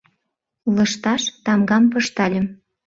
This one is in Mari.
Лышташ тамгам пыштальым.